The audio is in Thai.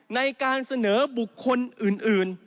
ในการเสนอบุคคลอื่น